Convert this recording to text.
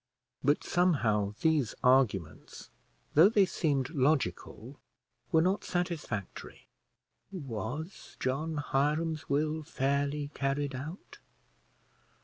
But somehow these arguments, though they seemed logical, were not satisfactory. Was John Hiram's will fairly carried out?